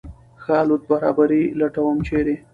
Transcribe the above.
ښه الوت برابري لټوم ، چېرې ؟